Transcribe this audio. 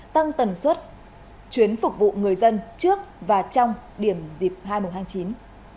tăng tần suất chuyến phục vụ người dân trước và trong điểm dịp hai mùng hai tháng chín